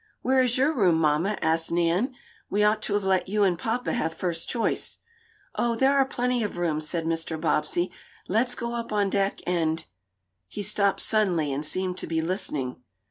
"Where is your room, mamma?" asked Nan. "We ought to have let you and papa have first choice." "Oh, there are plenty of rooms," said Mr. Bobbsey. "Let's go up on deck and " He stopped suddenly, and seemed to be listening.